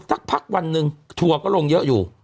สักพรรควันหนึ่งชั่วก็ลงเยอะอยู่